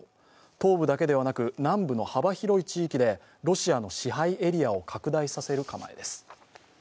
東部だけではなく南部の幅広い地域でロシアの支配エリアを拡大させる構えです。